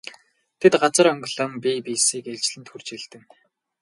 Тэд газар онгилон бие биесийг ээлжлэн түрж элдэнэ.